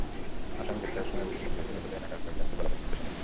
আসামি গ্রেপ্তারের সময় গুলির শব্দ হয়েছিল বলে এলাকার কয়েকজনকে বলাবলি করতে শুনেছি।